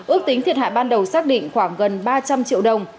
ước tính thiệt hại ban đầu xác định khoảng gần ba trăm linh triệu đồng